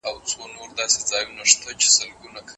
عدالت پرته ټولنه کمزورې کيږي.